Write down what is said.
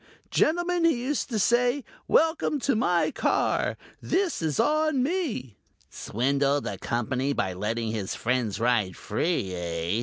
Gentlemen, he used to say, welcome to my car. This is on me." "Swindled the Company by letting his friends ride free, eh?"